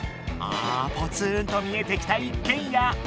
あポツンと見えてきた一軒家。